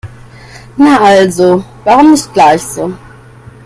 Na also, warum nicht gleich so?